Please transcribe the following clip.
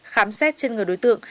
khám xét trên người đối tượng